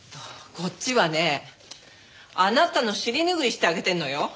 こっちはねあなたの尻拭いしてあげてるのよ。